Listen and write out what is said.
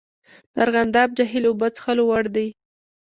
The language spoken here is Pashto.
د ارغنداب جهیل اوبه څښلو وړ دي؟